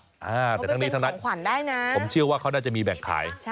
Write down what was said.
เขาเป็นของขวัญได้นะผมเชื่อว่าเขาน่าจะมีแบ่งขาย